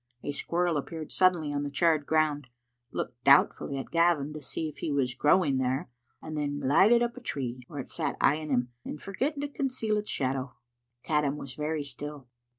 A squirrel appeared suddenly on the charred ground, looked doubtfully at Gavin to see if he was growing there, and then glided up a tree, where it sat eyeing him, and forgetting to conceal its shadow. Caddam was very still.